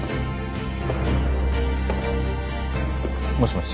もしもし？